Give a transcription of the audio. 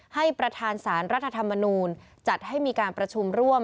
ให้ประธานสารรัฐธรรมนูลจัดให้มีการประชุมร่วม